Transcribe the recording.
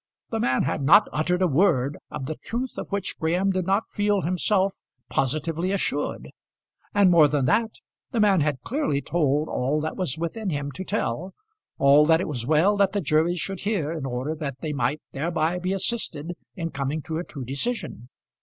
The man had not uttered a word, of the truth of which Graham did not feel himself positively assured; and, more than that, the man had clearly told all that was within him to tell, all that it was well that the jury should hear in order that they might thereby be assisted in coming to a true decision.